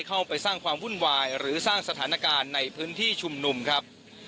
เข้าไปสร้างความวุ่นวายหรือสร้างสถานการณ์ในพื้นที่ชุมนุมครับ